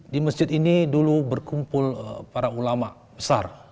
di masjid ini dulu berkumpul para ulama besar